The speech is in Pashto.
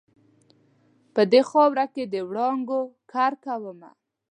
په دې خاورو کې د وړانګو کرکومه